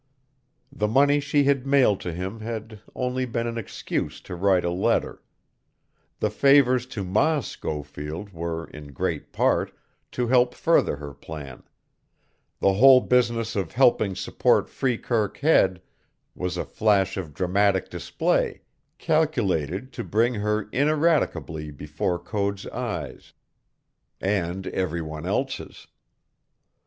The money she had mailed to him had only been an excuse to write a letter; the favors to Ma Schofield were, in great part, to help further her plan; the whole business of helping support Freekirk Head was a flash of dramatic display, calculated to bring her ineradicably before Code's eyes and every one else's.